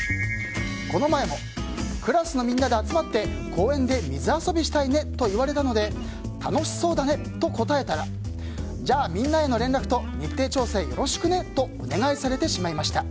この前もクラスのみんなで集まって公園で水遊びしたいねと言われたので楽しそうだねと答えたらじゃあ、みんなへの連絡と日程調整よろしくねとお願いされてしまいました。